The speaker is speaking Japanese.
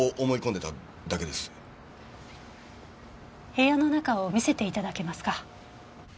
部屋の中を見せていただけますか？